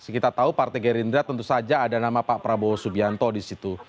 kita tahu partai gerindra tentu saja ada nama pak prabowo subianto di situ